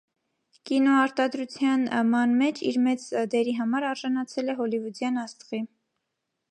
Կինոարտադրության ման մեջ իր մեծ դերի համար արժանացել է հոլիվուդյան աստղի։